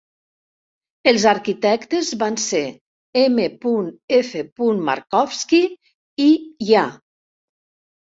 Els arquitectes van ser M. F. Markovsky i Ya.